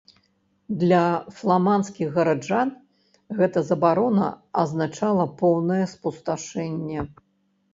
Для фламандскіх гараджан гэта забарона азначала поўнае спусташэнне.